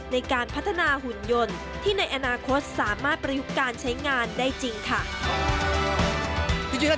ในการพัฒนาหุ่นยนต์ที่ในอนาคตสามารถประยุกต์การใช้งานได้จริงค่ะ